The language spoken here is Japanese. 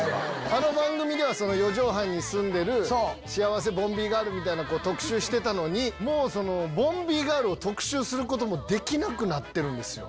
あの番組では四畳半に住んでる幸せボンビーガールみたいな子を特集してたのにもうボンビーガールを特集することもできなくなってるんですよ。